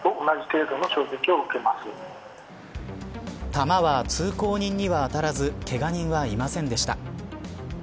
球は通行人にはあたらずけが人はいませんでした。